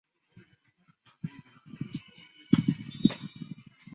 相关单位并于一周后完成更名作业。